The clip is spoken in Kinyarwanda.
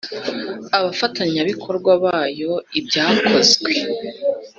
Abafatanyabikorwa bayo ibyakozwe